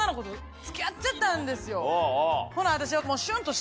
ほな私は。